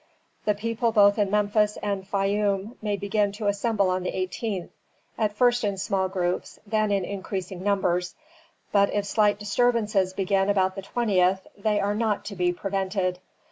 "The people both in Memphis and Fayum may begin to assemble on the 18th, at first in small groups, then in increasing numbers. But if slight disturbances begin about the 20th, they are not to be prevented.